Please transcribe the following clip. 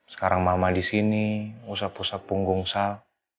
sekarang mama di sini usap usap punggung sal